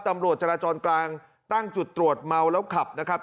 ตำรวจจราจรกลางตั้งจุดตรวจเมาแล้วขับนะครับ